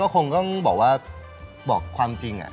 คงต้องบอกว่าบอกความจริง